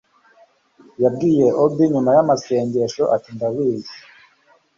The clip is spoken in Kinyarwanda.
yabwiye obi nyuma y'amasengesho ati 'ndabizi